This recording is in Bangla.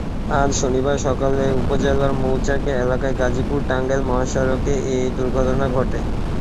আজ শনিবার সকালে উপজেলার মৌচাক এলাকায় গাজীপুর টাঙ্গাইল মহাসড়কে এ দুর্ঘটনা ঘটে।